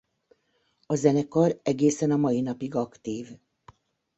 A zenekar egészen a mai napig aktív.